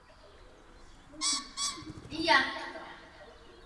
S. Larsson.